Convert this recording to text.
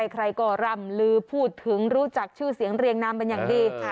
ใครก็ร่ำลือพูดถึงรู้จักชื่อเสียงเรียงนามเป็นอย่างดี